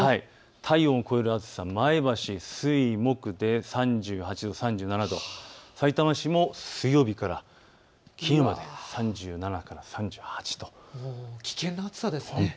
体温を超える暑さ、前橋、水木で３８度、３７度、さいたま市も水曜日から金曜まで３７度から３８度、危険な暑さですね。